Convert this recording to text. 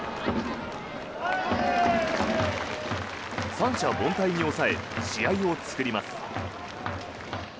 三者凡退に抑え試合を作ります。